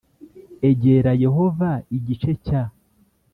Egera yehova igice cya